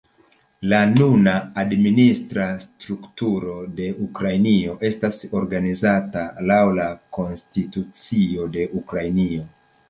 La nuna administra strukturo de Ukrainio estas organizata laŭ la konstitucio de Ukrainio.